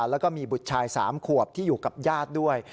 แล้วก็มีบุตรชาย๓ขวบที่อยู่กับญาติด้วย